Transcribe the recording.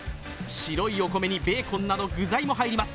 白いお米にベーコンなど具材も入ります。